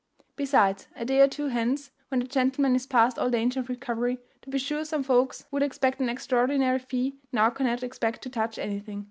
Besides, a day or two hence, when the gentleman is past all danger of recovery, to be sure some folks that would expect an extraordinary fee now cannot expect to touch anything.